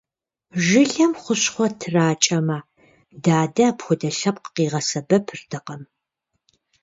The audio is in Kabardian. Жылэм хущхъуэ тракӀэмэ, дадэ апхуэдэ лъэпкъ къигъэсэбэпыртэкъым.